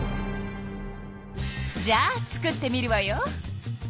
じゃあ作ってみるわよ。